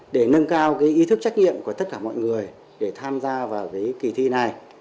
để nâng cao ý thức trách nhiệm của tất cả mọi người để tham gia vào kỳ thi này